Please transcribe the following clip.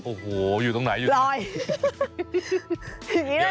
โอ้โหอยู่ตรงไหนอยู่ตรงไหน